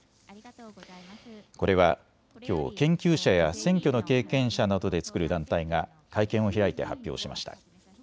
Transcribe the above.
これは、きょう研究者や選挙の経験者などで作る団体が会見を開いて発表しました。